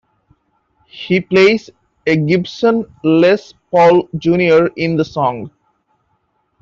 He plays a Gibson Les Paul Junior in the song.